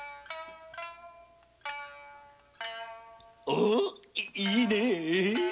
おういいね！